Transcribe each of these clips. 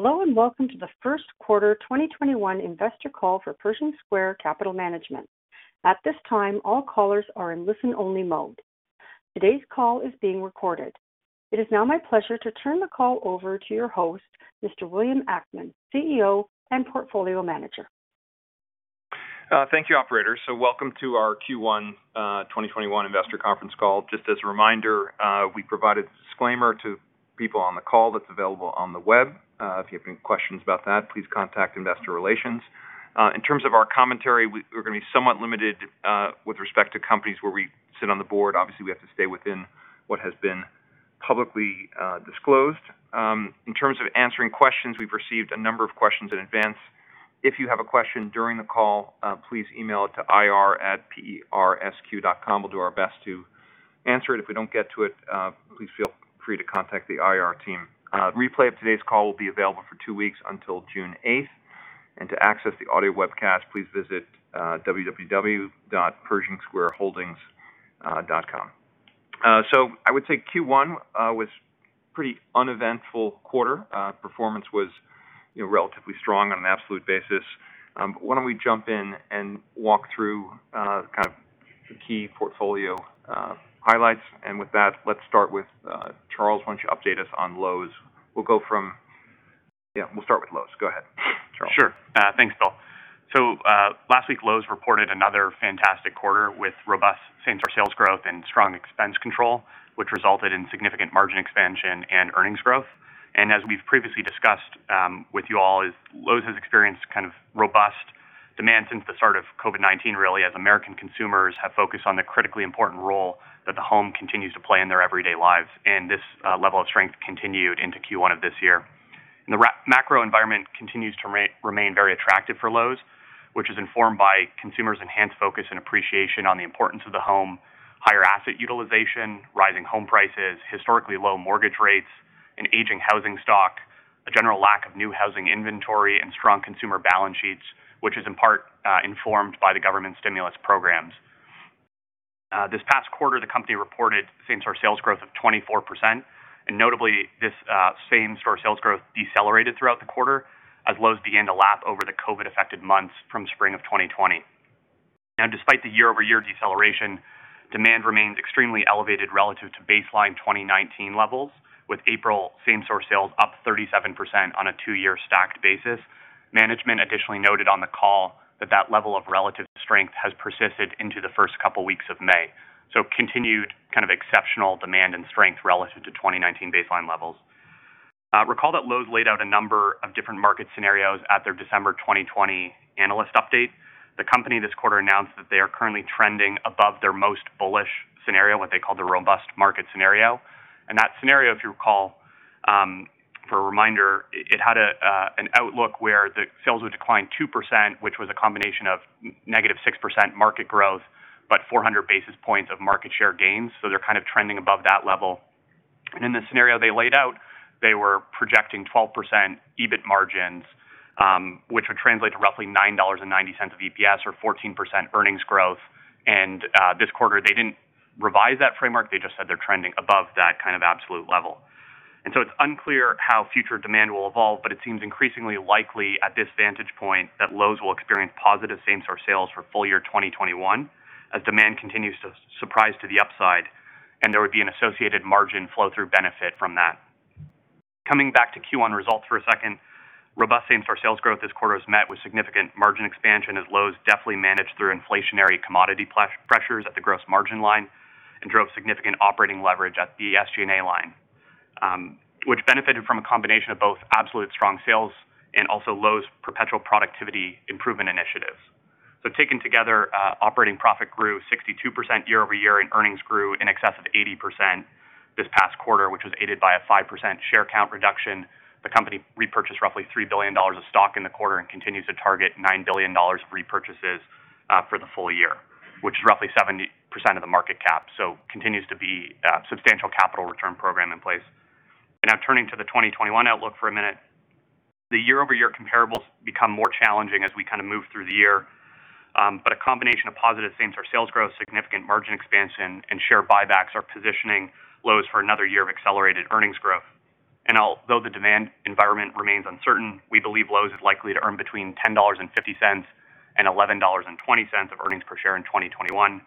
Hello, and welcome to the first quarter 2021 investor call for Pershing Square Capital Management. At this time, all callers are in listen-only mode. Today's call is being recorded. It is now my pleasure to turn the call over to your host, Mr. William Ackman, CEO, and Portfolio Manager. Thank you, operator. Welcome to our Q1 2021 investor conference call. Just as a reminder, we provided a disclaimer to people on the call that's available on the web. If you have any questions about that, please contact investor relations. In terms of our commentary, we're going to be somewhat limited with respect to companies where we sit on the board. Obviously, we have to stay within what has been publicly disclosed. In terms of answering questions, we've received a number of questions in advance. If you have a question during the call, please email it to ir@persq.com. We'll do our best to answer it. If we don't get to it, please feel free to contact the IR team. A replay of today's call will be available for two weeks until June 8th. To access the audio webcast, please visit www.pershingsquareholdings.com. I would say Q1 was a pretty uneventful quarter. Performance was relatively strong on an absolute basis. Why don't we jump in and walk through kind of the key portfolio highlights. With that, let's start with Charles. Why don't you update us on Lowe's? We'll start with Lowe's. Go ahead, Charles. Sure. Thanks, Bill. Last week, Lowe's reported another fantastic quarter with robust same-store sales growth and strong expense control, which resulted in significant margin expansion and earnings growth. As we've previously discussed with you all, Lowe's has experienced kind of robust demand since the start of COVID-19, really, as American consumers have focused on the critically important role that the home continues to play in their everyday lives. This level of strength continued into Q1 of this year. The macro environment continues to remain very attractive for Lowe's, which is informed by consumers' enhanced focus and appreciation on the importance of the home, higher asset utilization, rising home prices, historically low mortgage rates, an aging housing stock, a general lack of new housing inventory, and strong consumer balance sheets, which is in part informed by the government stimulus programs. This past quarter, the company reported same-store sales growth of 24%, and notably, this same-store sales growth decelerated throughout the quarter as Lowe's began to lap over the COVID-affected months from spring of 2020. Despite the year-over-year deceleration, demand remains extremely elevated relative to baseline 2019 levels, with April same-store sales up 37% on a two-year stacked basis. Management additionally noted on the call that that level of relative strength has persisted into the first couple of weeks of May, so continued kind of exceptional demand and strength relative to 2019 baseline levels. Recall that Lowe's laid out a number of different market scenarios at their December 2020 analyst update. The company this quarter announced that they are currently trending above their most bullish scenario, what they call the robust market scenario. That scenario, if you recall, for a reminder, it had an outlook where the sales would decline 2%, which was a combination of negative 6% market growth, but 400 basis points of market share gains. They're kind of trending above that level. In the scenario they laid out, they were projecting 12% EBIT margins, which would translate to roughly $9.90 of EPS or 14% earnings growth. This quarter, they didn't revise that framework, they just said they're trending above that kind of absolute level. It's unclear how future demand will evolve, but it seems increasingly likely at this vantage point that Lowe's will experience positive same-store sales for full-year 2021 as demand continues to surprise to the upside, and there would be an associated margin flow-through benefit from that. Coming back to Q1 results for a second, robust same-store sales growth this quarter was met with significant margin expansion as Lowe's deftly managed through inflationary commodity pressures at the gross margin line and drove significant operating leverage at the SG&A line, which benefited from a combination of both absolute strong sales and also Lowe's perpetual productivity improvement initiatives. Taken together, operating profit grew 62% year-over-year, and earnings grew in excess of 80% this past quarter, which was aided by a 5% share count reduction. The company repurchased roughly $3 billion of stock in the quarter and continues to target $9 billion repurchases for the full year, which is roughly 70% of the market cap. Continues to be a substantial capital return program in place. Now turning to the 2021 outlook for a minute. The year-over-year comparables become more challenging as we kind of move through the year. A combination of positive same-store sales growth, significant margin expansion, and share buybacks are positioning Lowe's for another year of accelerated earnings growth. Although the demand environment remains uncertain, we believe Lowe's will likely earn between $10.50 and $11.20 of earnings per share in 2021.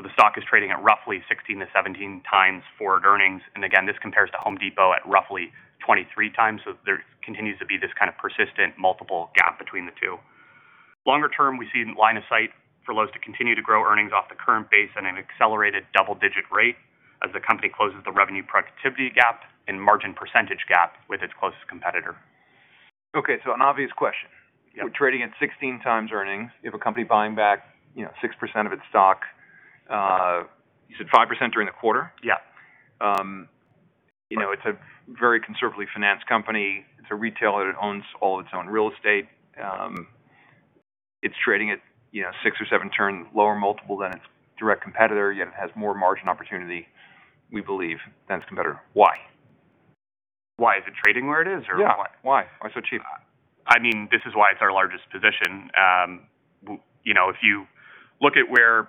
The stock is trading at roughly 16x-17x forward earnings. Again, this compares to Home Depot at roughly 23x. There continues to be this kind of persistent multiple gap between the two. Longer term, we see line of sight for Lowe's to continue to grow earnings off the current base at an accelerated double-digit rate as the company closes the revenue productivity gap and margin percentage gap with its closest competitor. An obvious question. Yeah. It's trading at 16 times earnings. You have a company buying back 6% of its stock. You said 5% during the quarter? Yeah. It's a very conservatively financed company. It's a retailer that owns all its own real estate. It's trading at six or seven turns lower multiple than its direct competitor, yet it has more margin opportunity, we believe, than its competitor. Why? Why is it trading where it is or why? Yeah. Why? Why so cheap? I mean, this is why it's our largest position. If you look at where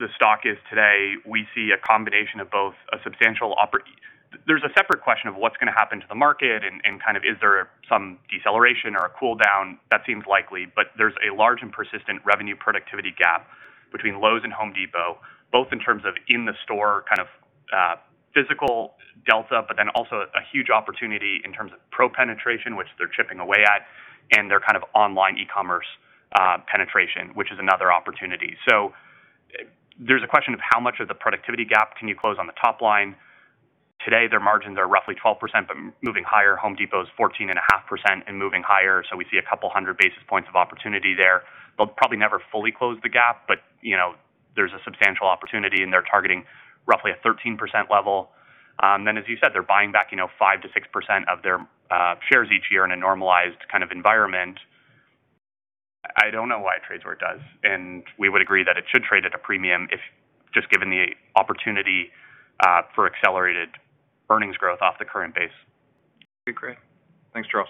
the stock is today, we see a combination of both a substantial There's a separate question of what's going to happen to the market and is there some deceleration or a cool down? That seems likely. There's a large and persistent revenue productivity gap between Lowe's and Home Depot, both in terms of in the store physical delta, but then also a huge opportunity in terms of pro penetration, which they're chipping away at, and their online e-commerce penetration, which is another opportunity. There's a question of how much of the productivity gap can you close on the top line? Today, their margins are roughly 12% but moving higher. Home Depot is 14.5% and moving higher. We see a couple of hundred basis points of opportunity there. They'll probably never fully close the gap. There's a substantial opportunity and they're targeting roughly a 13% level. As you said, they're buying back 5%-6% of their shares each year in a normalized kind of environment. I don't know why it trades where it does. We would agree that it should trade at a premium if just given the opportunity for accelerated earnings growth off the current base. Okay, great. Thanks, Charles.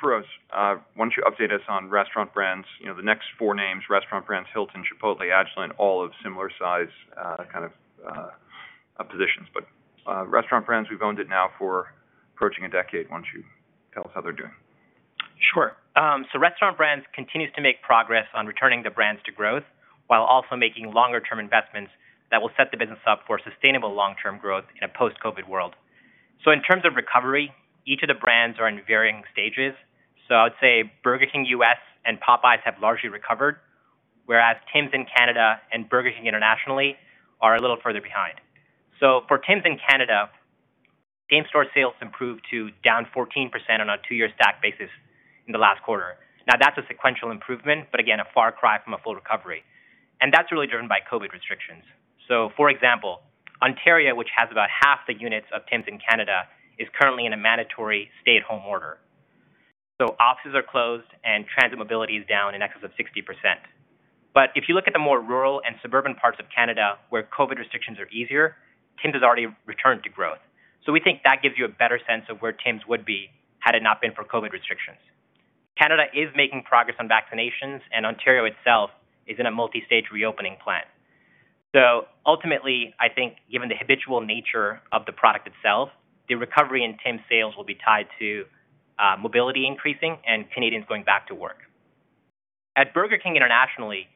Feroz, why don't you update us on Restaurant Brands? The next four names, Restaurant Brands, Hilton, Chipotle, Agilent, all of similar size kind of positions. Restaurant Brands, we've owned it now for approaching a decade. Why don't you tell us how they're doing? Sure. Restaurant Brands continues to make progress on returning the brands to growth while also making longer-term investments that will set the business up for sustainable long-term growth in a post-COVID world. In terms of recovery, each of the brands are in varying stages. I'd say Burger King U.S. and Popeyes have largely recovered, whereas Tim's in Canada and Burger King internationally are a little further behind. For Tim's in Canada, same-store sales improved to down 14% on a two-year stack basis in the last quarter. That's a sequential improvement, but again, a far cry from a full recovery. That's really driven by COVID restrictions. For example, Ontario, which has about half the units of Tim's in Canada, is currently in a mandatory stay-at-home order. Offices are closed and transit mobility is down in excess of 60%. If you look at the more rural and suburban parts of Canada where COVID restrictions are easier, Tim's has already returned to growth. We think that gives you a better sense of where Tim's would be had it not been for COVID restrictions. Canada is making progress on vaccinations, and Ontario itself is in a multi-stage reopening plan. Ultimately, I think given the habitual nature of the product itself, the recovery in Tim's sales will be tied to mobility increasing and Canadians going back to work. At Burger King internationally,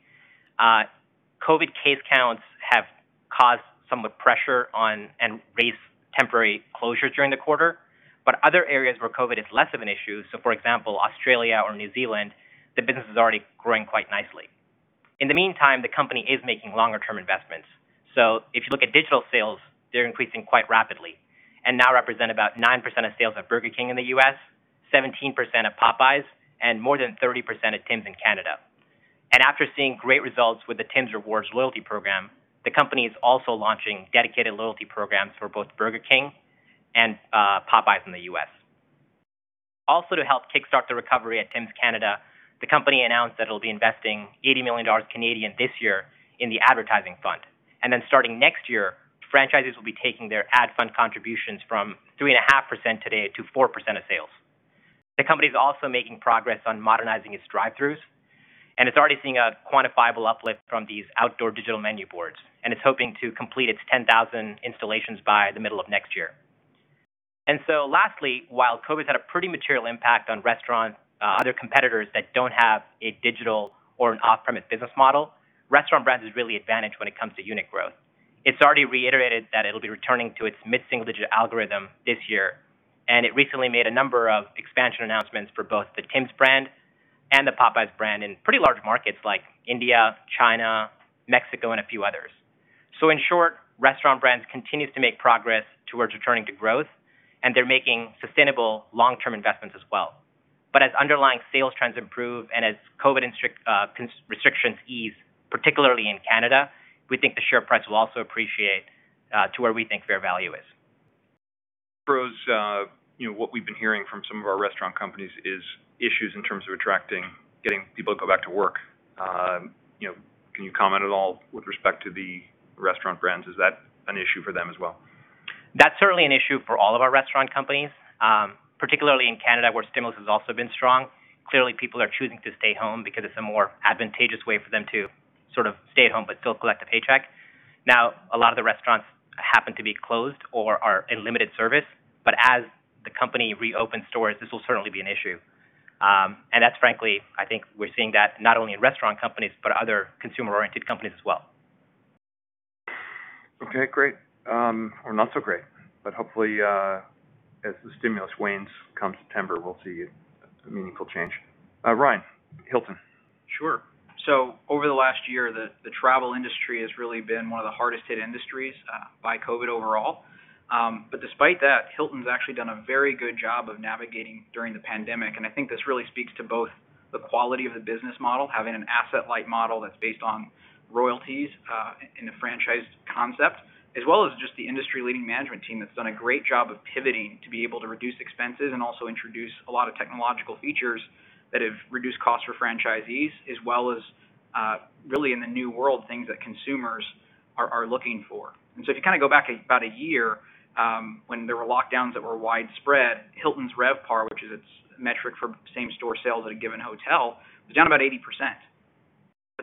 COVID case counts have caused somewhat pressure on and raised temporary closures during the quarter. Other areas where COVID is less of an issue, so for example, Australia or New Zealand, the business is already growing quite nicely. In the meantime, the company is making longer-term investments. If you look at digital sales, they're increasing quite rapidly and now represent about 9% of sales at Burger King in the U.S., 17% of Popeyes, and more than 30% of Tim's in Canada. After seeing great results with the Tims Rewards loyalty program, the company is also launching dedicated loyalty programs for both Burger King and Popeyes in the U.S. Also to help kickstart the recovery at Tim's Canada, the company announced that it'll be investing 80 million dollars this year in the advertising fund. Starting next year, franchisees will be taking their ad fund contributions from 3.5% today to 4% of sales. The company is also making progress on modernizing its drive-throughs, and it's already seeing a quantifiable uplift from these outdoor digital menu boards, and it's hoping to complete its 10,000 installations by the middle of next year. Lastly, while COVID's had a pretty material impact on other competitors that don't have a digital or an off-premise business model, Restaurant Brands is really advantaged when it comes to unit growth. It's already reiterated that it'll be returning to its mid-single-digit algorithm this year, and it recently made a number of expansion announcements for both the Tim's brand and the Popeyes brand in pretty large markets like India, China, Mexico, and a few others. In short, Restaurant Brands continues to make progress towards returning to growth, and they're making sustainable long-term investments as well. As underlying sales trends improve and as COVID restrictions ease, particularly in Canada, we think the share price will also appreciate to where we think fair value is. Feroz, what we've been hearing from some of our restaurant companies is issues in terms of attracting, getting people to go back to work. Can you comment at all with respect to the Restaurant Brands? Is that an issue for them as well? That's certainly an issue for all of our restaurant companies, particularly in Canada, where stimulus has also been strong. Clearly, people are choosing to stay home because it's a more advantageous way for them to sort of stay at home but still collect a paycheck. Now, a lot of the restaurants happen to be closed or are in limited service. As the company reopens stores, this will certainly be an issue. That's frankly, I think we're seeing that not only in restaurant companies but other consumer-oriented companies as well. Okay, great. Not so great, but hopefully as the stimulus wanes come September, we'll see a meaningful change. Ryan, Hilton. Sure. Over the last year, the travel industry has really been one of the hardest hit industries by COVID-19 overall. Despite that, Hilton's actually done a very good job of navigating during the pandemic, and I think this really speaks to both the quality of the business model, having an asset-light model that's based on royalties in the franchise concept, as well as just the industry-leading management team that's done a great job of pivoting to be able to reduce expenses and also introduce a lot of technological features that have reduced costs for franchisees, as well as really in the new world things that consumers are looking for. If you go back about a year, when there were lockdowns that were widespread, Hilton's RevPAR, which is its metric for same-store sales at a given hotel, was down about 80%.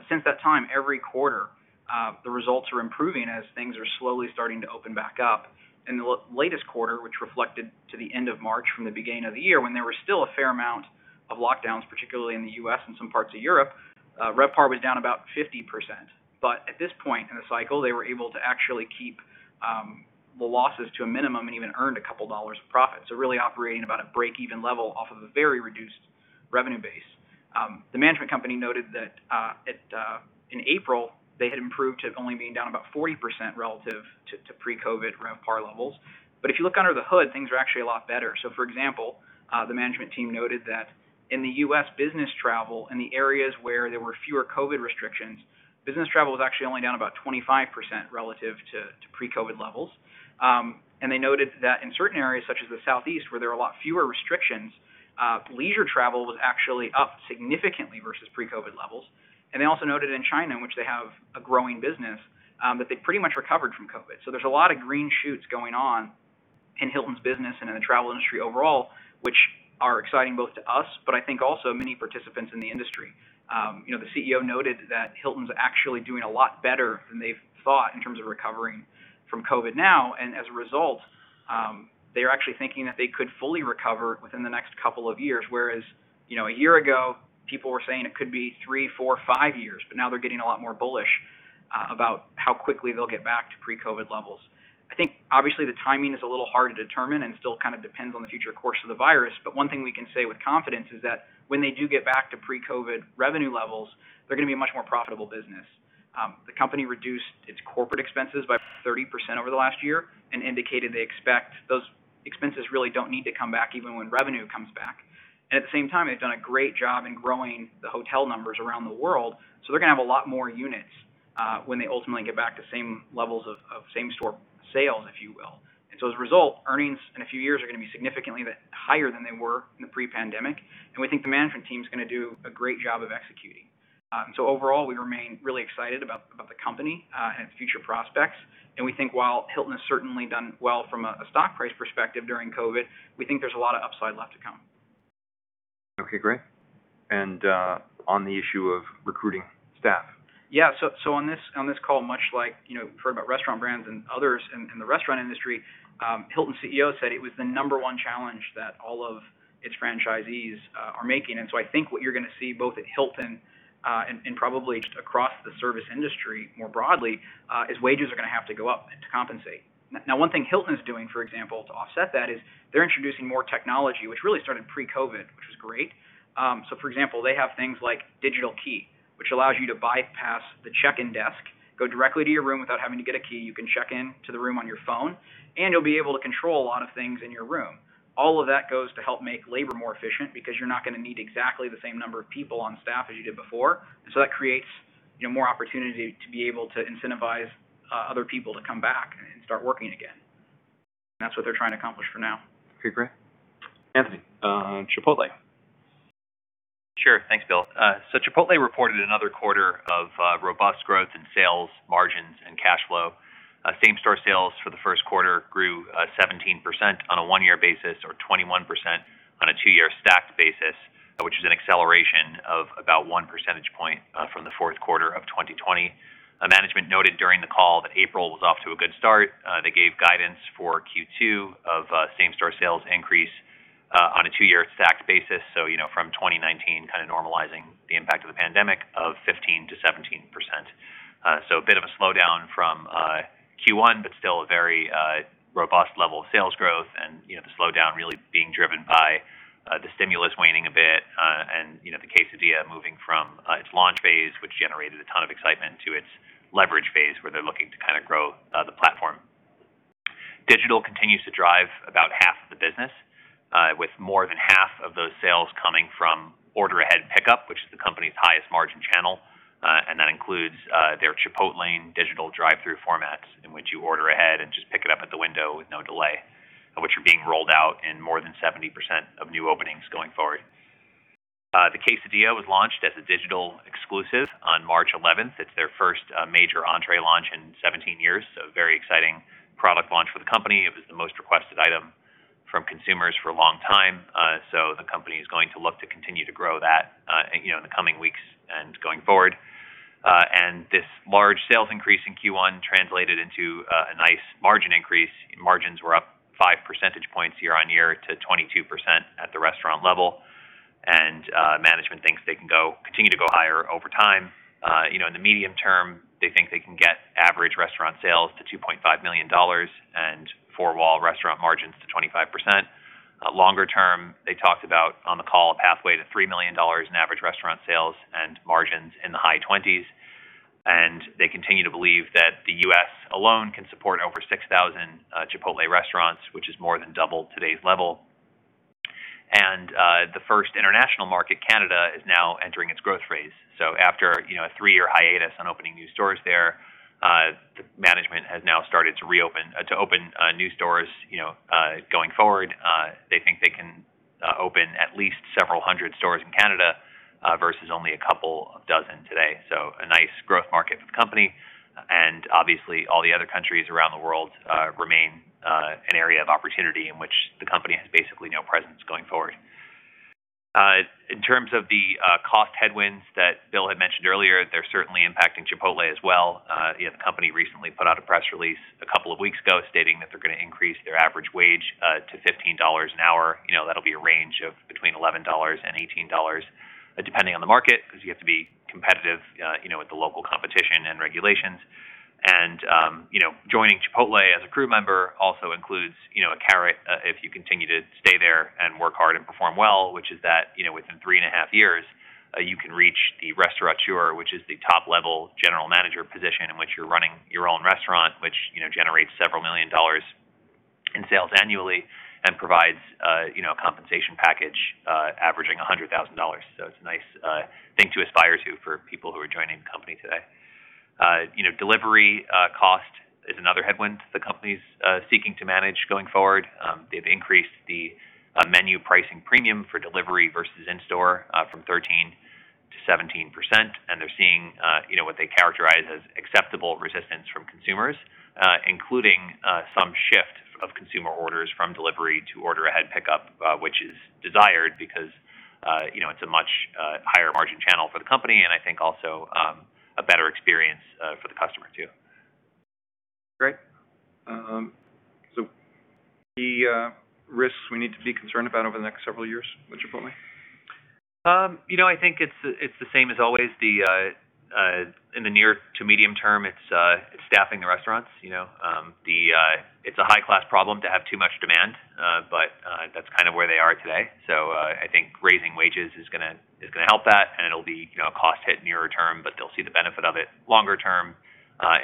Since that time, every quarter, the results are improving as things are slowly starting to open back up. In the latest quarter, which reflected to the end of March from the beginning of the year, when there were still a fair amount of lockdowns, particularly in the U.S. and some parts of Europe, RevPAR was down about 50%. At this point in the cycle, they were able to actually keep the losses to a minimum and even earned a couple of dollars profit. Really operating at about a breakeven level off of a very reduced revenue base. The management company noted that in April, they had improved to only being down about 40% relative to pre-COVID-19 RevPAR levels. If you look under the hood, things are actually a lot better. For example, the management team noted that in the U.S. business travel, in the areas where there were fewer COVID restrictions, business travel was actually only down about 25% relative to pre-COVID levels. They noted that in certain areas such as the Southeast, where there are a lot fewer restrictions, leisure travel was actually up significantly versus pre-COVID levels. They also noted in China, in which they have a growing business, that they've pretty much recovered from COVID. There's a lot of green shoots going on in Hilton's business and the travel industry overall, which are exciting both to us, but I think also many participants in the industry. The CEO noted that Hilton's actually doing a lot better than they thought in terms of recovering from COVID now, and as a result, they're actually thinking that they could fully recover within the next couple of years. A year ago, people were saying it could be three, four, five years, but now they're getting a lot more bullish about how quickly they'll get back to pre-COVID levels. I think obviously the timing is a little hard to determine and still depends on the future course of the virus. One thing we can say with confidence is that when they do get back to pre-COVID revenue levels, they're going to be a much more profitable business. The company reduced its corporate expenses by 30% over the last year and indicated they expect those expenses really don't need to come back even when revenue comes back. At the same time, they've done a great job in growing the hotel numbers around the world. They're going to have a lot more units when they ultimately get back to same levels of same-store sales, if you will. As a result, earnings in a few years are going to be significantly higher than they were in pre-pandemic, and we think the management team is going to do a great job of executing. Overall, we remain really excited about the company and future prospects, and we think while Hilton has certainly done well from a stock price perspective during COVID-19, we think there's a lot of upside left to come. Okay, great. On the issue of recruiting staff. On this call, much like for Restaurant Brands and others in the restaurant industry, Hilton's CEO said it was the number one challenge that all of its franchisees are making. I think what you're going to see both at Hilton and probably across the service industry more broadly, is wages are going to have to go up to compensate. Now, one thing Hilton's doing, for example, to offset that is they're introducing more technology, which really started pre-COVID, which is great. For example, they have things like Digital Key, which allows you to bypass the check-in desk, go directly to your room without having to get a key. You can check in to the room on your phone, and you'll be able to control a lot of things in your room. All of that goes to help make labor more efficient because you're not going to need exactly the same number of people on staff as you did before. That creates more opportunity to be able to incentivize other people to come back and start working again. That's what they're trying to accomplish for now. Okay, great. Anthony, Chipotle. Sure. Thanks, Bill. Chipotle reported another quarter of robust growth in sales, margins, and cash flow. Same-store sales for the first quarter grew 17% on a one-year basis or 21% on a two-year stacked basis, which is an acceleration of about 1 percentage point from the fourth quarter of 2020. Management noted during the call that April was off to a good start. They gave guidance for Q2 of same-store sales increase on a two-year stacked basis. From 2019, normalizing the impact of the pandemic of 15%-17%. A bit of a slowdown from Q1, but still a very robust level of sales growth and the slowdown really being driven by the stimulus waning a bit, and the quesadilla moving from its launch phase, which generated a ton of excitement to its leverage phase where they're looking to grow the platform. Digital continues to drive about half of the business, with more than half of those sales coming from order ahead and pickup, which is the company's highest margin channel. That includes their Chipotlane digital drive-through formats in which you order ahead and just pick it up at the window with no delay, which are being rolled out in more than 70% of new openings going forward. The quesadilla was launched as a digital exclusive on March 11th. It's their first major entree launch in 17 years, so very exciting product launch for the company. It was the most requested item from consumers for a long time. The company is going to look to continue to grow that in the coming weeks and going forward. This large sales increase in Q1 translated into a nice margin increase. Margins were up five percentage points year-over-year to 22% at the restaurant level. Management thinks they can continue to go higher over time. In the medium term, they think they can get average restaurant sales to $2.5 million and four-wall restaurant margins to 25%. Longer term, they talked about on the call pathway to $3 million in average restaurant sales and margins in the high 20s. They continue to believe that the U.S. alone can support over 6,000 Chipotle restaurants, which is more than double today's level. The first international market, Canada, is now entering its growth phase. After a three-year hiatus on opening new stores there, management has now started to open new stores going forward. Open at least several hundred stores in Canada versus only a couple of dozen today. A nice growth market for the company, and obviously all the other countries around the world remain an area of opportunity in which the company has basically no presence going forward. In terms of the cost headwinds that Bill had mentioned earlier, they're certainly impacting Chipotle as well. The company recently put out a press release a couple of weeks ago stating that they're going to increase their average wage to $15 an hour. That'll be a range of between $11 and $18, depending on the market, because you have to be competitive with the local competition and regulations. Joining Chipotle as a crew member also includes a carrot if you continue to stay there and work hard and perform well, which is that within three and a half years, you can reach the Restaurateur, which is the top-level general manager position in which you're running your own restaurant, which generates several million dollars in sales annually and provides a compensation package averaging $100,000. It's a nice thing to aspire to for people who are joining the company today. Delivery cost is another headwind the company's seeking to manage going forward. They've increased the menu pricing premium for delivery versus in-store from 13% to 17%. They're seeing what they characterize as acceptable resistance from consumers, including some shift of consumer orders from delivery to order ahead pickup, which is desired because it's a much higher margin channel for the company, and I think also a better experience for the customer, too. Great. The risks we need to be concerned about over the next several years with Chipotle? I think it's the same as always. In the near to medium term, it's staffing restaurants. It's a high-class problem to have too much demand, but that's kind of where they are today. I think raising wages is going to help that, and it'll be a cost hit near term, but they'll see the benefit of it longer term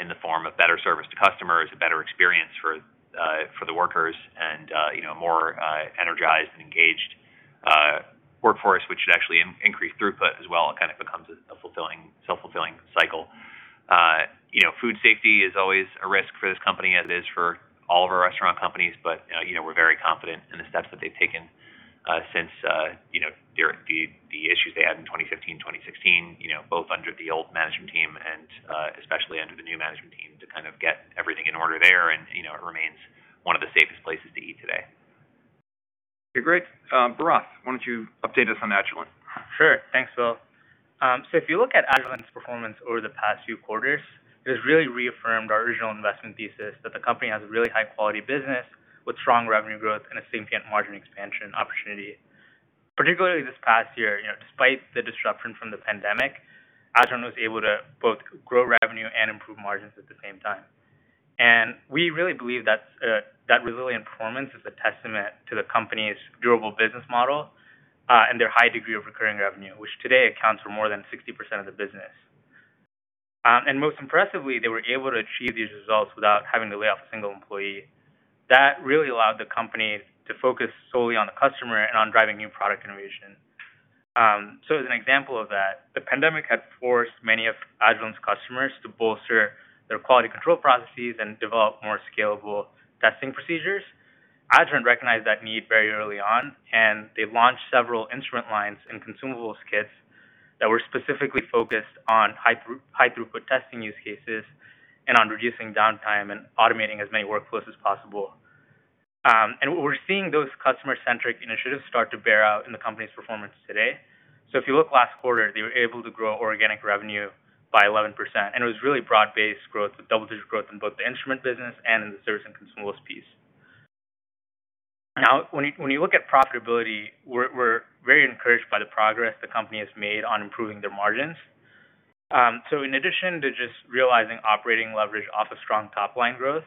in the form of better service to customers, a better experience for the workers, and a more energized, engaged workforce, which should actually increase throughput as well, and it becomes a self-fulfilling cycle. Food safety is always a risk for this company, as it is for all of our restaurant companies. We're very confident in the steps that they've taken since the issues they had in 2015, 2016, both under the old management team and especially under the new management team to get everything in order there. It remains one of the safest places to eat today. Great. Bharath, why don't you update us on Agilent? Sure. Thanks, Bill. If you look at Agilent's performance over the past few quarters, it's really reaffirmed our original investment thesis that the company has a really high-quality business with strong revenue growth and a significant margin expansion opportunity. Particularly this past year, despite the disruption from the pandemic, Agilent was able to both grow revenue and improve margins at the same time. We really believe that that resilient performance is a testament to the company's durable business model and their high degree of recurring revenue, which today accounts for more than 60% of the business. Most impressively, they were able to achieve these results without having to lay off a single employee. That really allowed the company to focus solely on the customer and on driving new product innovation. As an example of that, the pandemic had forced many of Agilent's customers to bolster their quality control processes and develop more scalable testing procedures. Agilent recognized that need very early on, and they launched several instrument lines and consumables kits that were specifically focused on high-throughput testing use cases and on reducing downtime and automating as many workflows as possible. We're seeing those customer-centric initiatives start to bear out in the company's performance today. If you look last quarter, they were able to grow organic revenue by 11%. It was really broad-based growth with double-digit growth in both the instrument business and the service and consumables piece. When you look at profitability, we're very encouraged by the progress the company has made on improving their margins. In addition to just realizing operating leverage off of strong top-line growth,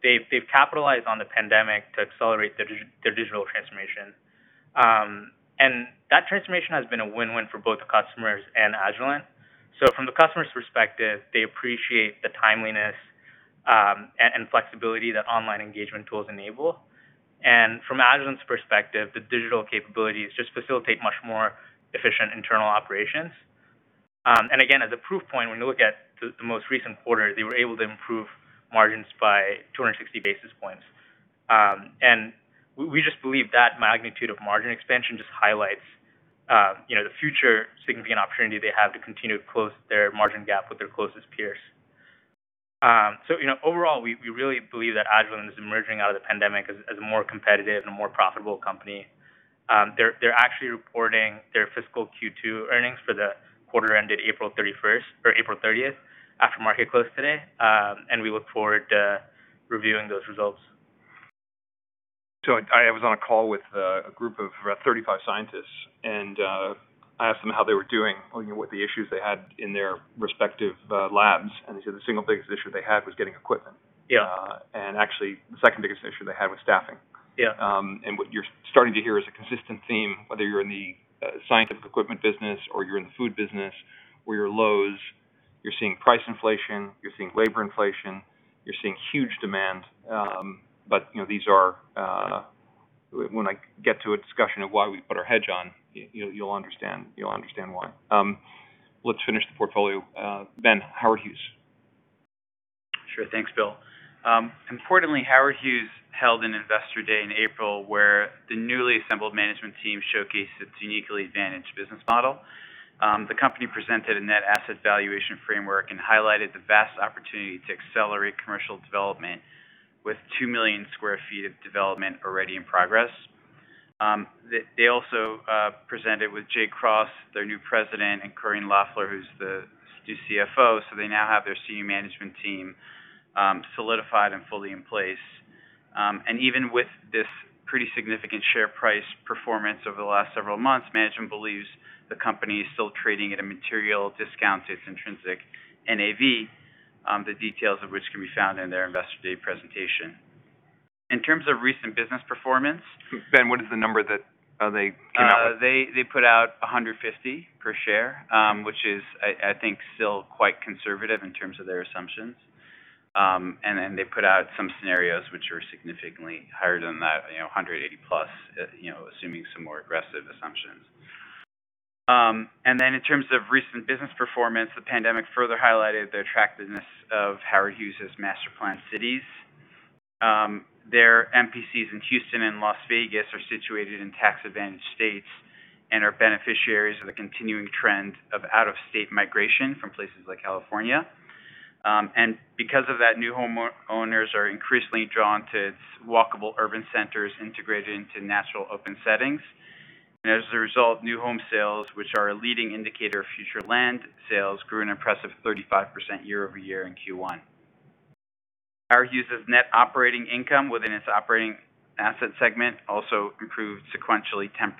they've capitalized on the pandemic to accelerate their digital transformation. That transformation has been a win-win for both customers and Agilent. From the customer's perspective, they appreciate the timeliness and flexibility that online engagement tools enable. From Agilent's perspective, the digital capabilities just facilitate much more efficient internal operations. Again, as a proof point, when you look at the most recent quarter, they were able to improve margins by 250 basis points. We just believe that magnitude of margin expansion just highlights the future significant opportunity they have to continue to close their margin gap with their closest peers. Overall, we really believe that Agilent is emerging out of the pandemic as a more competitive and more profitable company. They're actually reporting their fiscal Q2 earnings for the quarter ended April 31st or April 30th after market close today, and we look forward to reviewing those results. I was on a call with a group of about 35 scientists, and asked them how they were doing and what the issues they had in their respective labs. They said the single biggest issue they had was getting equipment. Yeah. Actually, the second biggest issue they had was staffing. Yeah. What you're starting to hear is a consistent theme, whether you're in the scientific equipment business or you're in the food business or you're Lowe's, you're seeing price inflation, you're seeing labor inflation, you're seeing huge demand. But when I get to a discussion of why we put our hedge on, you'll understand why. Let's finish the portfolio. Ben, how are you? Sure. Thanks, Bill. Importantly, Howard Hughes held an investor day in April where the newly assembled management team showcased its uniquely advantaged business model. The company presented a net asset valuation framework and highlighted the vast opportunity to accelerate commercial development with 2 million sq ft of development already in progress. They also presented with L. Jay Cross, their new President, and Correne Loeffler, who is the new CFO. They now have their C-management team solidified and fully in place. Even with this pretty significant share price performance over the last several months, management believes the company is still trading at a material discount to its intrinsic NAV. The details of which can be found in their investor day presentation. In terms of recent business performance. Ben, what is the number that they came out with? They put out $150 per share, which is, I think, still quite conservative in terms of their assumptions. Then they put out some scenarios which are significantly higher than that, $180-plus, assuming some more aggressive assumptions. Then in terms of recent business performance, the pandemic further highlighted the attractiveness of Howard Hughes' master-planned cities. Their MPCs in Houston and Las Vegas are situated in tax-advantaged states and are beneficiaries of the continuing trend of out-of-state migration from places like California. Because of that, new homeowners are increasingly drawn to walkable urban centers integrated into natural open settings. As a result, new home sales, which are a leading indicator of future land sales, grew an impressive 35% year-over-year in Q1. Howard Hughes' net operating income within its operating asset segment also improved sequentially 10%,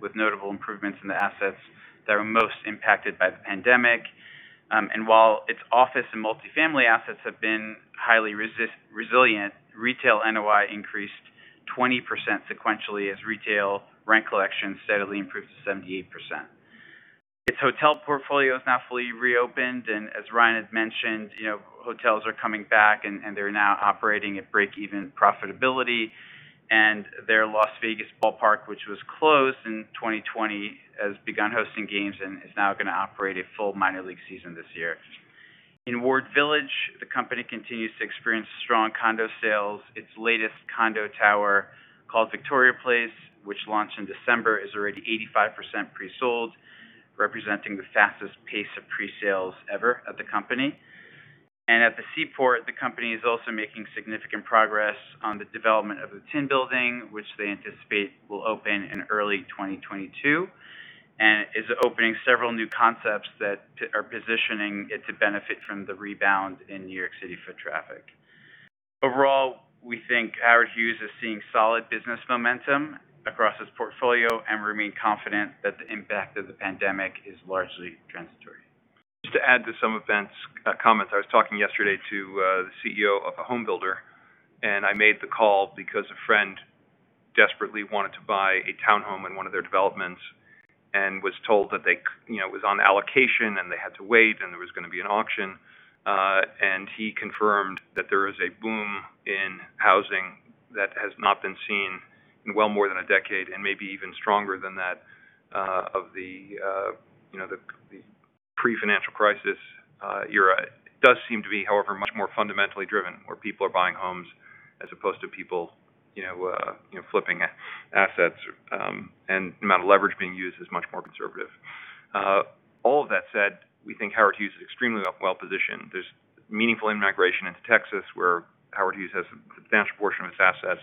with notable improvements in the assets that were most impacted by the pandemic. While its office and multi-family assets have been highly resilient, retail NOI increased 20% sequentially as retail rent collection steadily improved to 78%. Its hotel portfolio is now fully reopened, and as Ryan had mentioned, hotels are coming back, and they're now operating at break-even profitability. Their Las Vegas ballpark, which was closed in 2020, has begun hosting games and is now going to operate a full minor league season this year. In Ward Village, the company continues to experience strong condo sales. Its latest condo tower, called Victoria Place, which launched in December, is already 85% pre-sold, representing the fastest pace of pre-sales ever of the company. At the Seaport, the company is also making significant progress on the development of the Tin Building, which they anticipate will open in early 2022, and is opening several new concepts that are positioning it to benefit from the rebound in New York City foot traffic. Overall, we think Howard Hughes is seeing solid business momentum across its portfolio and remain confident that the impact of the pandemic is largely transitory. Just to add to some of Ben's comments, I was talking yesterday to the CEO of a home builder, and I made the call because a friend desperately wanted to buy a town home in one of their developments and was told that it was on allocation, and they had to wait, and there was going to be an auction. He confirmed that there is a boom in housing that has not been seen in well more than a decade, and maybe even stronger than that of the pre-financial crisis era. It does seem to be, however, much more fundamentally driven, where people are buying homes as opposed to people flipping assets. The amount of leverage being used is much more conservative. All of that said, we think Howard Hughes is extremely well-positioned. There's meaningful in-migration into Texas, where Howard Hughes has a substantial portion of its assets.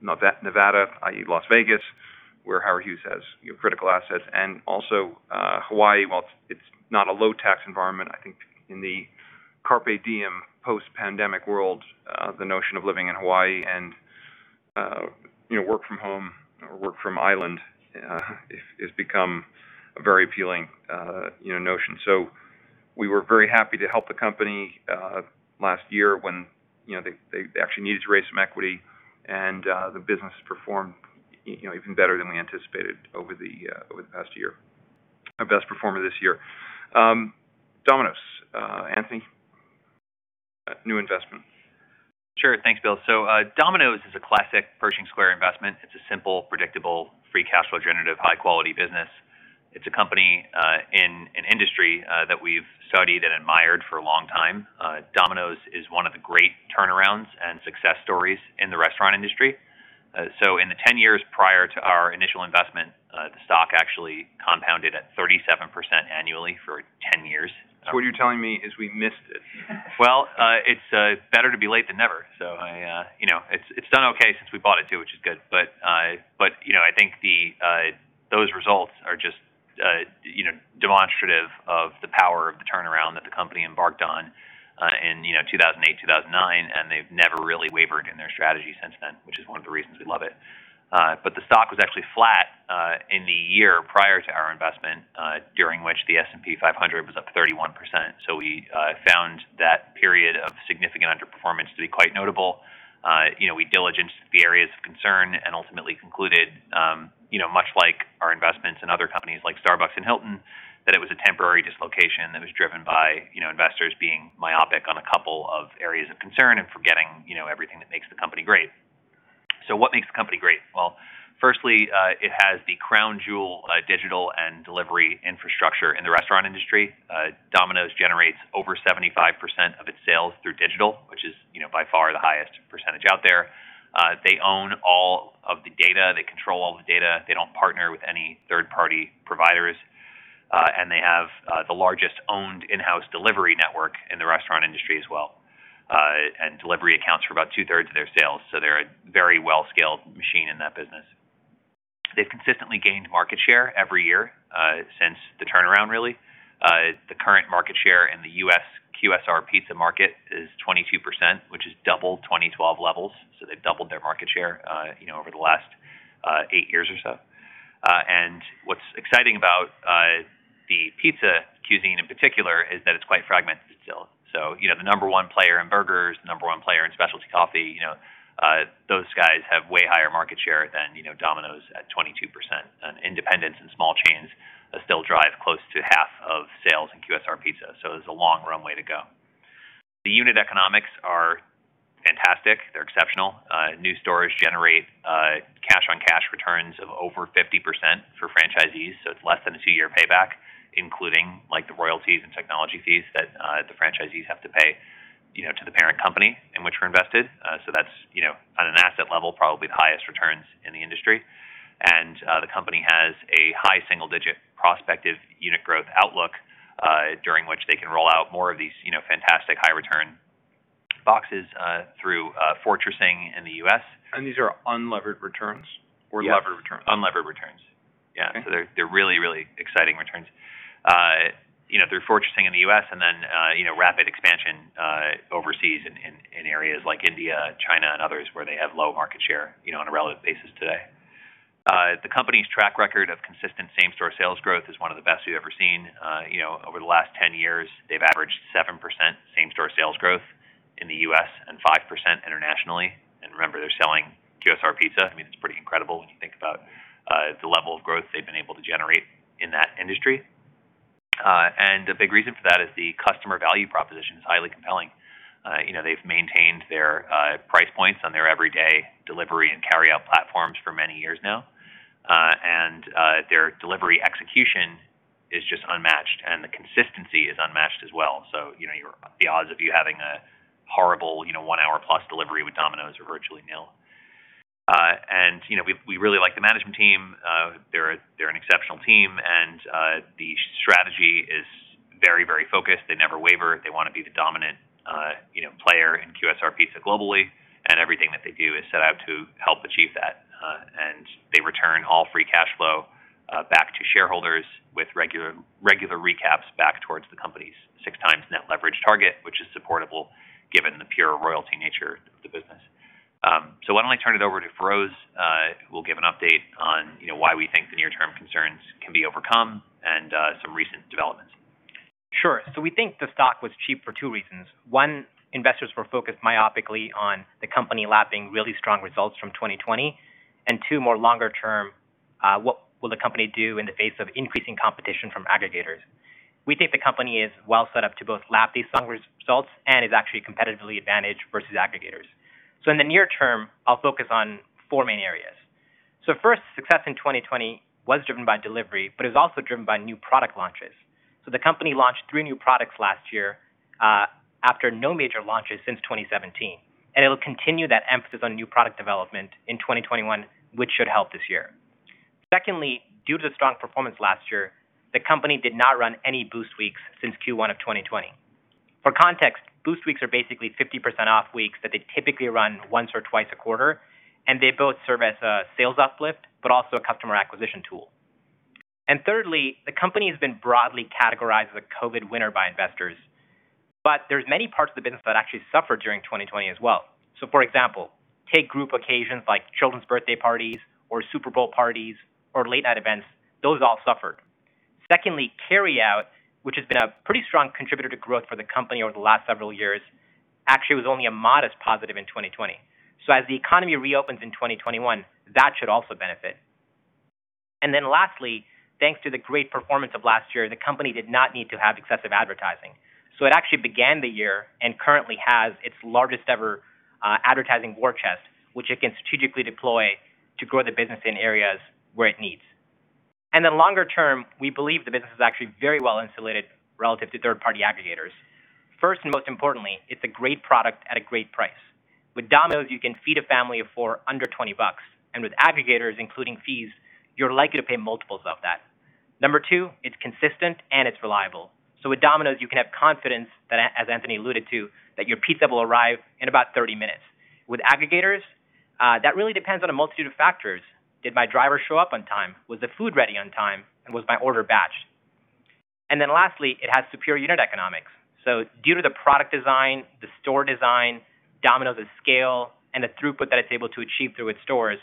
Nevada, i.e., Las Vegas, where Howard Hughes has critical assets. Also Hawaii. While it's not a low-tax environment, I think in the carpe diem post-pandemic world, the notion of living in Hawaii and work from home or work from island has become a very appealing notion. We were very happy to help the company last year when they actually needed to raise some equity, and the business performed even better than we anticipated over the past year. Our best performer this year. Domino's. Anthony? New investment. Sure. Thanks, Bill. Domino's is a classic Pershing Square investment. It's a simple, predictable, free cash flow generative, high-quality business. It's a company in an industry that we've studied and admired for a long time. Domino's is one of the great turnarounds and success stories in the restaurant industry. In the 10 years prior to our initial investment, the stock actually compounded at 37% annually for 10 years. What you're telling me is we missed it? Well, it's better to be late than never. It's done okay since we bought it too, which is good. I think those results are just demonstrative of the power of the turnaround that the company embarked on in 2008, 2009. They've never really wavered in their strategy since then, which is one of the reasons we love it. The stock was actually flat in the year prior to our investment, during which the S&P 500 was up 31%. We found that period of significant underperformance to be quite notable. We diligenced the areas of concern and ultimately concluded, much like our investments in other companies like Starbucks and Hilton, that it was a temporary dislocation that was driven by investors being myopic on a couple of areas of concern and forgetting everything that makes the company great. What makes the company great? Well, firstly, it has the crown jewel digital and delivery infrastructure in the restaurant industry. Domino's generates over 75% of its sales through digital, which is by far the highest percentage out there. They own all of the data. They control all the data. They don't partner with any third-party providers. They have the largest owned in-house delivery network in the restaurant industry as well. Delivery accounts for about two-thirds of their sales, so they're a very well-scaled machine in that business. They consistently gained market share every year since the turnaround really. The current market share in the U.S. QSR pizza market is 22%, which has doubled 2012 levels. They've doubled their market share over the last eight years or so. What's exciting about the pizza [inaudible] in particular is that it's quite fragmented still. You have the number one player in burgers, number one player in specialty coffee. Those guys have way higher market share than Domino's at 22%. Independents and small chains still drive close to half of sales in QSR pizza. There's a long runway to go. The unit economics are fantastic. They're exceptional. New stores generate cash on cash returns of over 50% for franchisees, so it's less than a two-year payback, including the royalties and technology fees that the franchisees have to pay to the parent company in which we're invested. That's, on an asset level, probably the highest returns in the industry. The company has a high single-digit prospective unit growth outlook, during which they can roll out more of these fantastic high-return boxes through fortressing in the U.S. These are unlevered returns or levered returns? Unlevered returns. Yeah. Okay. They're really, really exciting returns. They're fortressing in the U.S. and then rapid expansion overseas in areas like India, China, and others where they have low market share on a relative basis today. The company's track record of consistent same-store sales growth is one of the best we've ever seen. Over the last 10 years, they've averaged 7% same-store sales growth in the U.S. and 5% internationally. Remember, they're selling QSR pizza. It's pretty incredible when you think about the level of growth they've been able to generate in that industry. A big reason for that is the customer value proposition is highly compelling. They've maintained their price points on their everyday delivery and carry-out platforms for many years now. Their delivery execution is just unmatched, and the consistency is unmatched as well. The odds of you having a horrible one-hour-plus delivery with Domino's are virtually nil. We really like the management team. They're an exceptional team, and the strategy is very, very focused. They never waver. They want to be the dominant player in QSR pizza globally. Everything that they do is set out to help achieve that. They return all free cash flow back to shareholders with regular recaps back towards the company's 6x net leverage target, which is supportable given the pure royalty nature of the business. Why don't I turn it over to Feroz, who will give an update on why we think the near-term concerns can be overcome and some recent developments. Sure. We think the stock was cheap for two reasons. One, investors were focused myopically on the company lapping really strong results from 2020, and two, more longer term, what will the company do in the face of increasing competition from aggregators? We think the company is well set up to both lap these strong results and is actually competitively advantaged versus aggregators. In the near term, I'll focus on four main areas. First, success in 2020 was driven by delivery, but it was also driven by new product launches. The company launched three new products last year after no major launches since 2017. It'll continue that emphasis on new product development in 2021, which should help this year. Secondly, due to the strong performance last year, the company did not run any Boost Weeks since Q1 of 2020. For context, Boost Weeks are basically 50%-off weeks that they typically run once or twice a quarter. They both serve as a sales uplift but also a customer acquisition tool. Thirdly, the company has been broadly categorized as a COVID winner by investors, but there's many parts of the business that actually suffered during 2020 as well. For example, take group occasions like children's birthday parties or Super Bowl parties or late-night events. Those all suffered. Secondly, carryout, which has been a pretty strong contributor to growth for the company over the last several years, actually was only a modest positive in 2020. As the economy reopens in 2021, that should also benefit. Lastly, thanks to the great performance of last year, the company did not need to have excessive advertising. It actually began the year and currently has its largest-ever advertising war chest, which it can strategically deploy to grow the business in areas where it needs. Longer term, we believe the business is actually very well insulated relative to third-party aggregators. First and most importantly, it's a great product at a great price. With Domino's, you can feed a family of four under $20, and with aggregators, including fees, you're likely to pay multiples of that. Number two, it's consistent and it's reliable. With Domino's, you can have confidence that, as Anthony alluded to, that your pizza will arrive in about 30 minutes. With aggregators, that really depends on a multitude of factors. Did my driver show up on time? Was the food ready on time? Was my order batched? Lastly, it has superior unit economics. Given the product design, the store design, Domino's scale, and the throughput that it's able to achieve through its stores,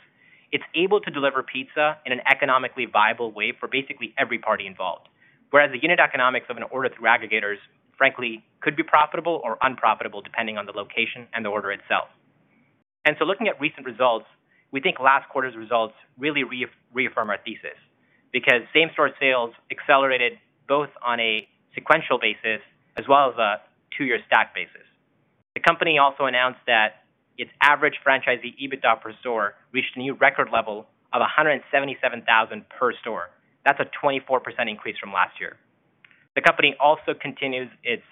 it's able to deliver pizza in an economically viable way for basically every party involved. Whereas the unit economics of an order through aggregators, frankly, could be profitable or unprofitable depending on the location and the order itself. Looking at recent results, we think last quarter's results really reaffirm our thesis Same-store sales accelerated both on a sequential basis as well as a two-year stack basis. The company also announced that its average franchisee EBITDA per store reached a new record level of $177,000 per store. That's a 24% increase from last year. The company also continues its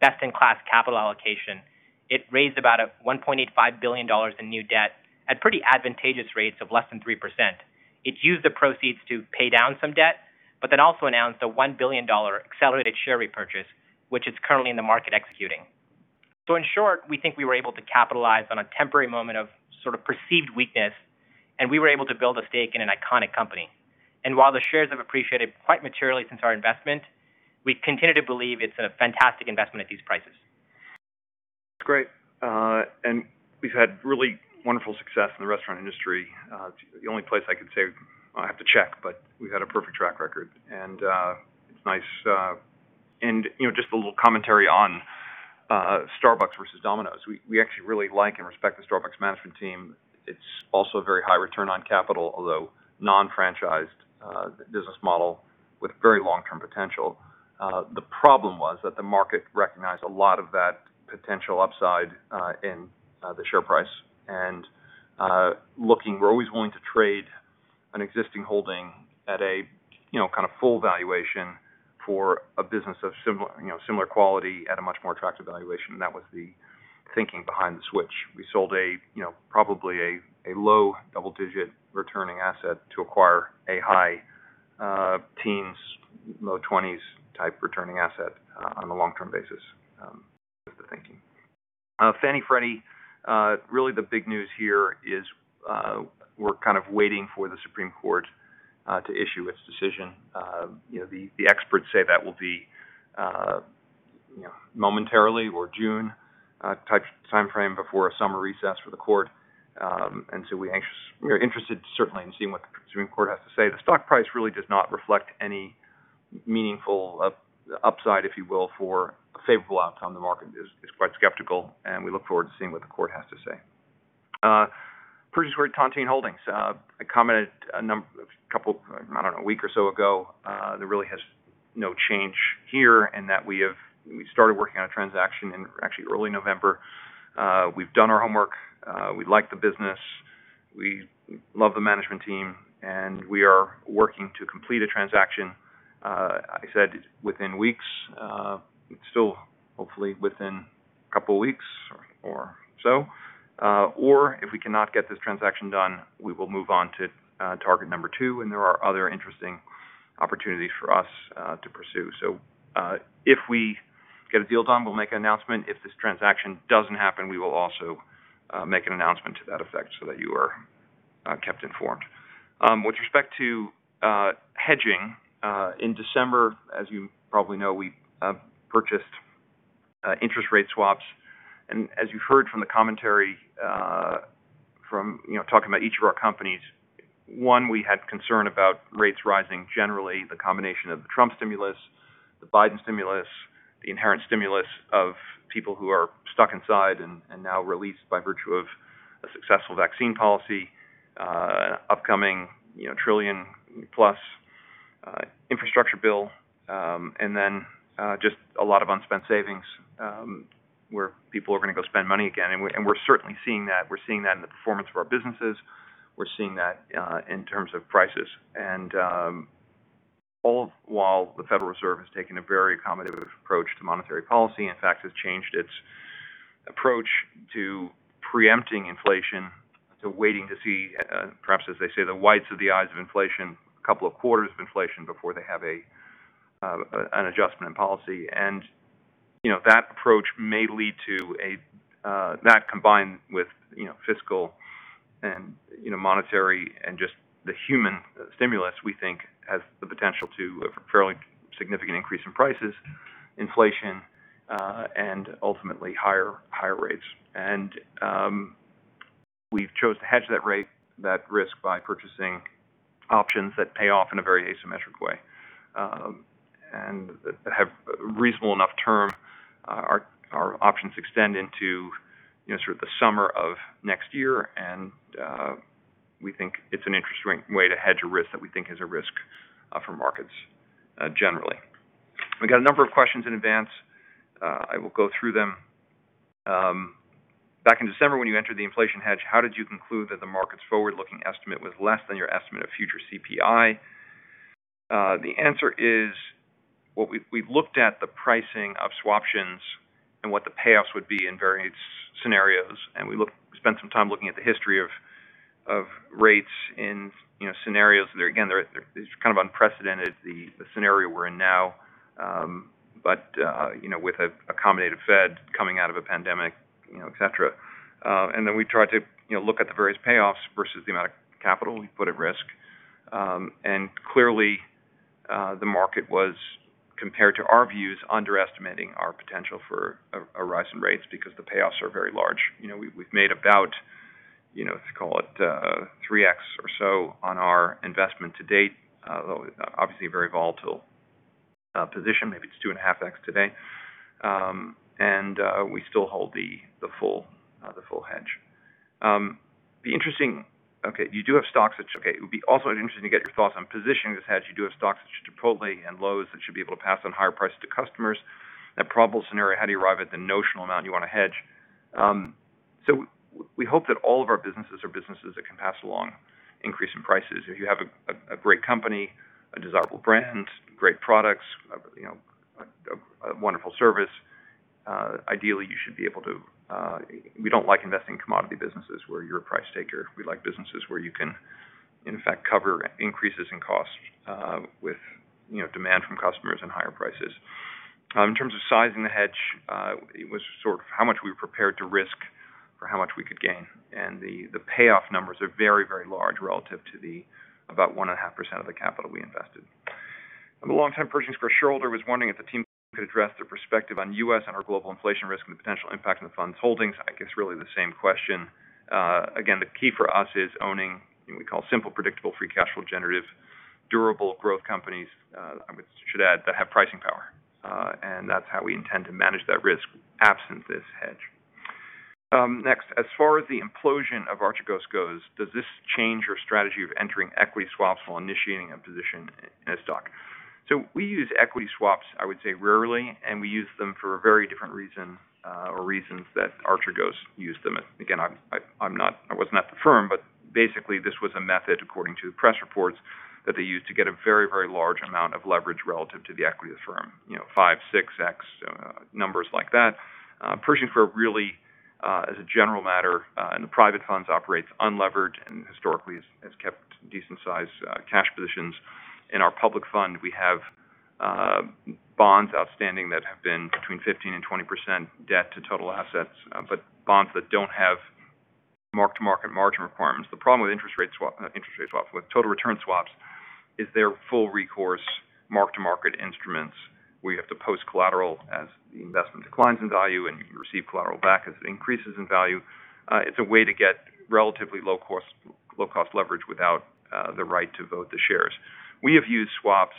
best-in-class capital allocation. It raised about $1.85 billion in new debt at pretty advantageous rates of less than 3%. It used the proceeds to pay down some debt, also announced a $1 billion accelerated share repurchase, which is currently in the market executing. In short, we think we were able to capitalize on a temporary moment of sort of perceived weakness, and we were able to build a stake in an iconic company. While the shares have appreciated quite materially since our investment, we continue to believe it's a fantastic investment at these prices. Great. We've had really wonderful success in the restaurant industry. The only place I can say I have to check, but we've had a perfect track record, and it's nice. Just a little commentary on Starbucks versus Domino's. We actually really like and respect the Starbucks management team. It's also a very high return on capital, although non-franchised business model with very long-term potential. The problem was that the market recognized a lot of that potential upside in the share price. Looking, we're always willing to trade an existing holding at a full valuation for a business of similar quality at a much more attractive valuation. That was the thinking behind the switch. We sold probably a low double-digit returning asset to acquire a high teens, low 20s type returning asset on a long-term basis. That was the thinking. Fannie Mae, Freddie Mac, really the big news here is we're waiting for the Supreme Court to issue its decision. The experts say that will be momentarily or June type timeframe before a summer recess for the court. We are interested certainly in seeing what the Supreme Court has to say. The stock price really does not reflect any meaningful upside, if you will, for a favorable outcome. The market is quite skeptical, and we look forward to seeing what the court has to say. Pershing Square Tontine Holdings. I commented a week or so ago, there really has no change here in that we started working on a transaction in actually early November. We've done our homework. We like the business. We love the management team, and we are working to complete a transaction. I said within weeks. It's still hopefully within a couple of weeks or so. If we cannot get this transaction done, we will move on to target number two, and there are other interesting opportunities for us to pursue. If we get a deal done, we'll make an announcement. If this transaction doesn't happen, we will also make an announcement to that effect so that you are kept informed. With respect to hedging, in December, as you probably know, we purchased interest rate swaps. As you've heard from the commentary from talking about each of our companies, one, we had concern about rates rising generally, the combination of the Trump stimulus, the Biden stimulus, the inherent stimulus of people who are stuck inside and now released by virtue of a successful vaccine policy, upcoming trillion-plus infrastructure bill, and then just a lot of unspent savings where people are going to go spend money again. We're certainly seeing that. We're seeing that in the performance of our businesses. We're seeing that in terms of prices. All while the Federal Reserve has taken a very accommodative approach to monetary policy. In fact, it's changed its approach to preempting inflation, to waiting to see, perhaps as they say, the whites of the eyes of inflation, a couple of quarters of inflation before they have an adjustment in policy. That combined with fiscal and monetary and just the human stimulus, we think has the potential to a fairly significant increase in prices, inflation, and ultimately higher rates. We've chosen to hedge that risk by purchasing options that pay off in a very asymmetric way and that have reasonable enough term. Our options extend into the summer of next year, and we think it's an interesting way to hedge a risk that we think is a risk for markets generally. We got a number of questions in advance. I will go through them. Back in December when you entered the inflation hedge, how did you conclude that the market's forward-looking estimate was less than your estimate of future CPI? The answer is we've looked at the pricing of swaptions and what the payoffs would be in various scenarios, and we spent some time looking at the history of rates in scenarios that, again, it's kind of unprecedented, the scenario we're in now but with a accommodative Fed coming out of a pandemic et cetera. We tried to look at the various payoffs versus the amount of capital we put at risk. Clearly, the market was, compared to our views, underestimating our potential for a rise in rates because the payoffs are very large. We've made about, if you call it 3X or so on our investment to date, obviously a very volatile position, maybe it's 2.5X today. We still hold the full hedge. You do have stocks, which okay, it would be also interesting to get your thoughts on positioning this hedge. You do have stocks such as Chipotle and Lowe's that should be able to pass on higher prices to customers. Probable scenario, how do you arrive at the notional amount you want to hedge? We hope that all of our businesses are businesses that can pass along increasing prices. If you have a great company, a desirable brand, great products, a wonderful service, ideally, you should be able to. We don't like investing in commodity businesses where you're a price taker. We like businesses where you can, in fact, cover increases in cost with demand from customers and higher prices. In terms of sizing the hedge, it was sort of how much we were prepared to risk for how much we could gain. The payoff numbers are very, very large relative to the about 1.5% of the capital we invested. The long-term purchase for shareholder was wondering if the team could address their perspective on U.S. and/or global inflation risk and the potential impact on the fund's holdings. I think it's really the same question. Again, the key for us is owning what we call simple, predictable, free cash flow generative, durable growth companies, I should add, that have pricing power. That's how we intend to manage that risk absent this hedge. Next, as far as the implosion of Archegos goes, does this change your strategy of entering equity swaps while initiating a position in a stock? We use equity swaps, I would say rarely, and we use them for a very different reason or reasons that Archegos used them. Again, I was not at the firm, but basically, this was a method, according to press reports, that they used to get a very, very large amount of leverage relative to the equity firm, five, 6X numbers like that. Pershing Square really, as a general matter in the private funds operates unlevered and historically has kept decent-sized cash positions. In our public fund, we have bonds outstanding that have been between 15% and 20% debt to total assets, but bonds that don't have mark-to-market margin requirements. The problem with total return swaps is they're full recourse mark-to-market instruments, where you have to post collateral as the investment declines in value, and you receive collateral back as it increases in value. It's a way to get relatively low-cost leverage without the right to vote the shares. We have used swaps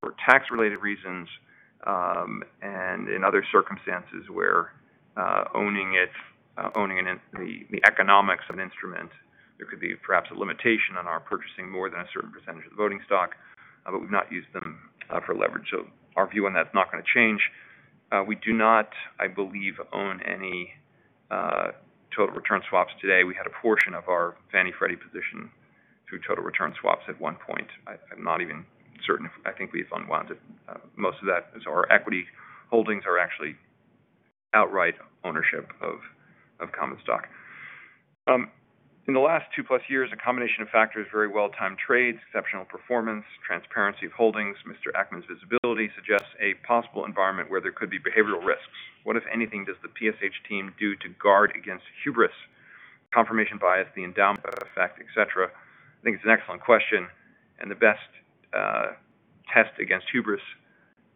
for tax-related reasons, and in other circumstances where owning the economics of an instrument, there could be perhaps a limitation on our purchasing more than a certain percentage of the voting stock, but we've not used them for leverage. Our view on that's not going to change. We do not, I believe, own any total return swaps today. We had a portion of our Fannie Freddie position through total return swaps at one point. I'm not even certain. I think we've unwound most of that as our equity holdings are actually outright ownership of common stock. In the last two-plus years, a combination of factors, very well-timed trades, exceptional performance, transparency of holdings, Mr. Ackman's visibility suggests a possible environment where there could be behavioral risks. What, if anything, does the PSH team do to guard against hubris, confirmation bias, the endowment effect, et cetera? I think it's an excellent question. The best test against hubris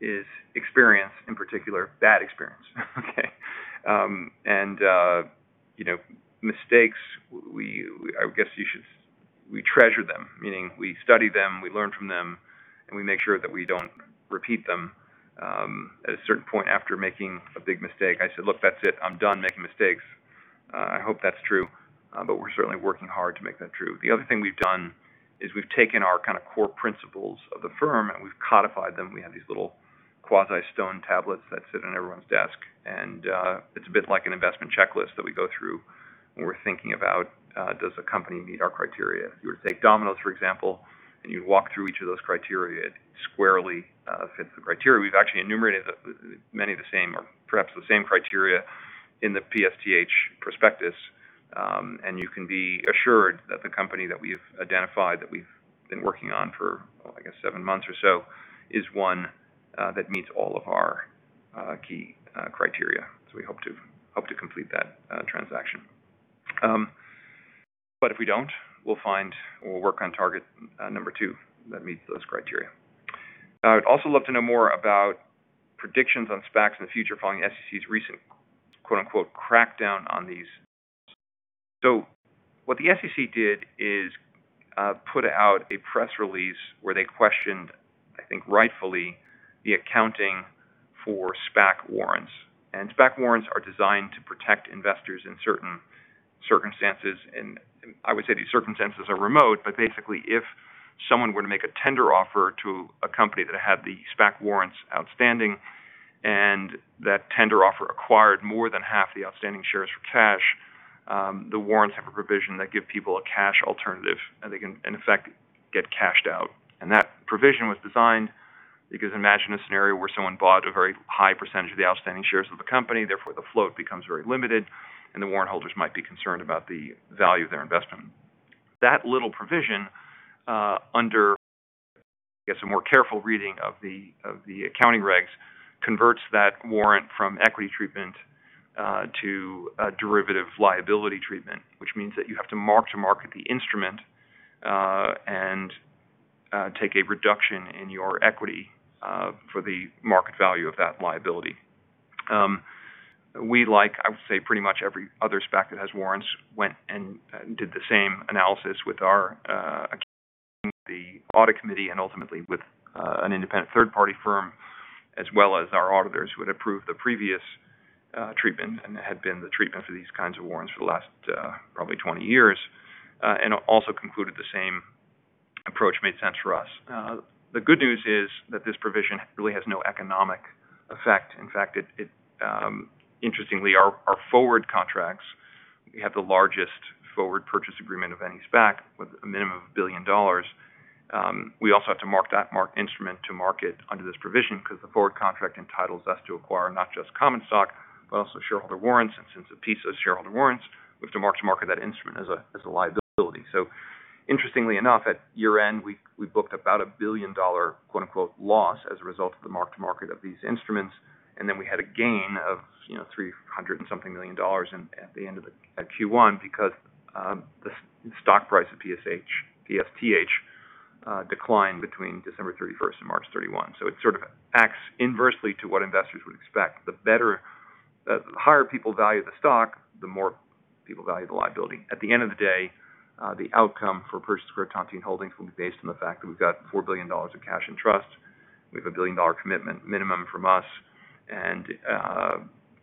is experience, in particular bad experience. Okay. Mistakes, I guess we treasure them, meaning we study them, we learn from them, and we make sure that we don't repeat them. At a certain point after making a big mistake, I say, "Look, that's it. I'm done making mistakes." I hope that's true. We're certainly working hard to make that true. The other thing we've done is we've taken our core principles of the firm, and we've codified them. We have these little quasi-stone tablets that sit on everyone's desk. It's a bit like an investment checklist that we go through when we're thinking about does a company meet our criteria? If you were to take Domino's, for example, and you walk through each of those criteria, it squarely fits the criteria. We've actually enumerated many of the same or perhaps the same criteria in the PSTH prospectus. You can be assured that the company that we've identified that we've been working on for, I think seven months or so, is one that meets all of our key criteria. We hope to complete that transaction. If we don't, we'll work on target number two that meets those criteria. I'd also love to know more about predictions on SPACs in the future following the SEC's recent "crackdown" on these. What the SEC did is put out a press release where they questioned, I think rightfully, the accounting for SPAC warrants. SPAC warrants are designed to protect investors in certain circumstances. I would say these circumstances are remote. Basically, if someone were to make a tender offer to a company that had the SPAC warrants outstanding and that tender offer acquired more than half the outstanding shares for cash, the warrants have a provision that give people a cash alternative and they can, in effect, get cashed out. That provision was designed because imagine a scenario where someone bought a very high percentage of the outstanding shares of the company, therefore the float becomes very limited, and the warrant holders might be concerned about the value of their investment. That little provision under, I guess, a more careful reading of the accounting regs, converts that warrant from equity treatment to a derivative liability treatment, which means that you have to mark-to-market the instrument and take a reduction in your equity for the market value of that liability. We, like I would say pretty much every other SPAC that has warrants, went and did the same analysis with our advisory team, the audit committee, and ultimately with an independent third-party firm, as well as our auditors who had approved the previous treatment and had been the treatment for these kinds of warrants for the last probably 20 years, and also concluded the same approach made sense for us. The good news is that this provision really has no economic effect. Interestingly, our forward contracts, we have the largest forward purchase agreement of any SPAC with a minimum of $1 billion. We also have to mark that instrument to market under this provision because the forward contract entitles us to acquire not just common stock, but also shareholder warrants. Since it's a piece of shareholder warrants, we have to mark to market that instrument as a liability. Interestingly enough, at year-end, we booked about a billion-dollar, quote-unquote, loss as a result of the mark-to-market of these instruments. We had a gain of $300 and something million at the end of Q1 because the stock price of PSH, PSTH, declined between December 31st and March 31. It sort of acts inversely to what investors would expect. The higher people value the stock, the more people value the liability. At the end of the day, the outcome for Pershing Square Tontine Holdings will be based on the fact that we've got $4 billion of cash in trust. We have a billion-dollar commitment minimum from us, and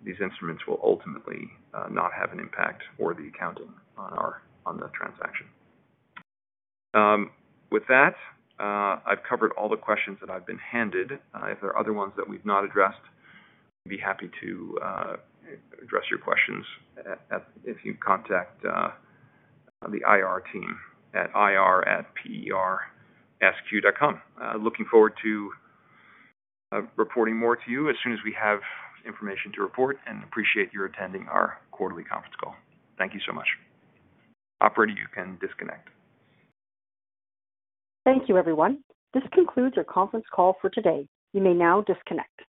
these instruments will ultimately not have an impact or be accounted on the transaction. With that, I've covered all the questions that I've been handed. If there are other ones that we've not addressed, I'd be happy to address your questions if you contact the IR team at ir@persq.com. Looking forward to reporting more to you as soon as we have information to report and appreciate your attending our quarterly conference call. Thank you so much. Operator, you can disconnect. Thank you, everyone. This concludes our conference call for today. You may now disconnect.